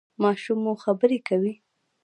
ماشوم مو خبرې کوي؟